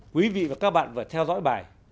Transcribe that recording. quý vị và các bạn vừa theo dõi bài